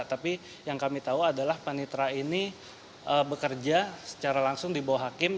tapi yang kami tahu adalah panitra ini bekerja secara langsung di bawah hakim